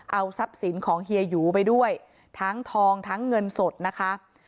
เอาทรัพย์สินของเฮียหยูไปด้วยทั้งทองทั้งเงินสดนะคะ